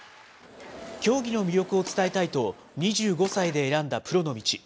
競技の魅力を伝えたいと２５歳で選んだプロの道。